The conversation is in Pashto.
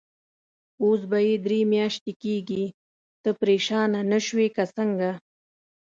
اوس به یې درې میاشتې کېږي، ته پرېشانه نه شوې که څنګه؟